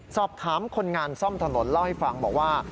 สอบถามคนงานซ่อมถนนเล่าให้ฟังบอกว่า